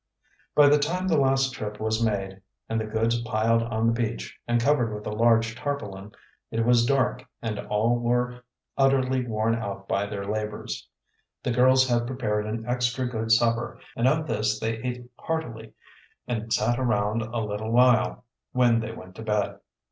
By the time the last trip was made and the goods piled on the beach and covered with a large tarpaulin, it was dark and all were utterly worn out by their labors. The girls had prepared an extra good supper, and of this they ate heartily and then sat around a little while, when they went to bed.